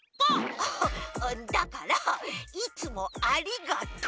アハッだからいつもありがとう。